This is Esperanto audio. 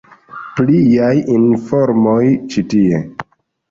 Pliaj informoj ĉi tie.